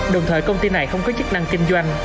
đồng thời công ty này không có chức năng kinh doanh